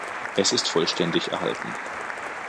Es ist vollständig erhalten.